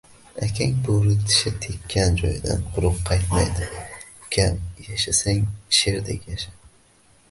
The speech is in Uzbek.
Akang bo`ri, tishi tekkan joydan quruq qaytmaydi, Ukam, yashasang, sherdek yasha